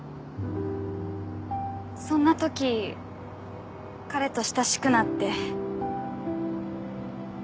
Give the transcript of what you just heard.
そんなとき彼と親しくなって。